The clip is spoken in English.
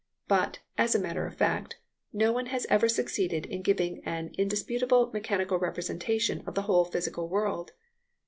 But, as a matter of fact, no one has ever succeeded in giving an indisputable mechanical representation of the whole physical world.